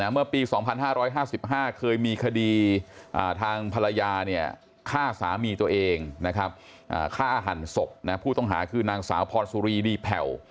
เมื่อปี๒๕๕๕เคยมีคดีทางภรรยาฆ่าสามีตัวเองฆ่าหันศพผู้ต้องหาคือนางสาวพรสุรีดีแผ่ว